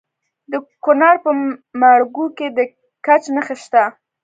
د کونړ په ماڼوګي کې د ګچ نښې شته.